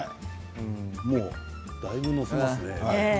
だいぶ載せますね。